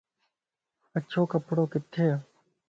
اچو ڪپڙو ڪٿي ا